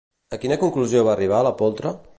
A quina conclusió va arribar la poltra?